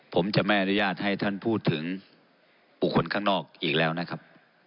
ผมจะไม่อนุญาตให้ท่านพูดถึงบุคคลข้างนอกอีกแล้วนะครับ